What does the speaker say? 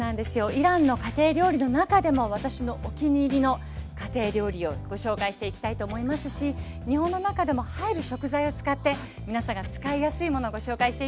イランの家庭料理の中でも私のお気に入りの家庭料理をご紹介していきたいと思いますし日本の中でも入る食材を使って皆さんが使いやすいものご紹介していきます。